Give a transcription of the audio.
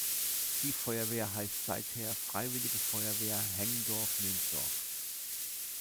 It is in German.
Die Feuerwehr heißt seither Freiwillige Feuerwehr Hengdorf-Nemsdorf.